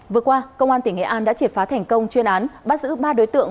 vừa qua công an tỉnh nghệ an đã triệt phá thành công chuyên án bắt giữ ba đối tượng